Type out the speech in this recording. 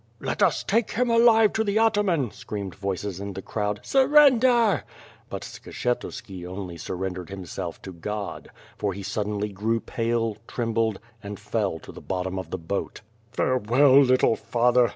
"Let us take him alive to the ataman," screamed voices in the crowd. "Surrender!" But Skshetuski only surrendered himself to God; for he suddenly grew pale, trembled, and fell to the bottom of the boat. "Farewell, little father!'